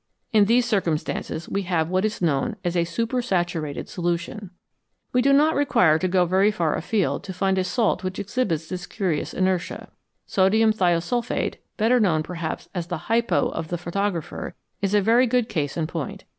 In these circumstances we have what is known as a "super saturated " solution. We do not require to go very far afield to find a salt which exhibits this curious inertia. Sodium thio sulphate, better known, perhaps, as the " hypo " of the photographer, is a very good case in point.